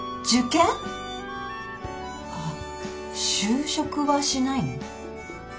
あっ就職はしないの？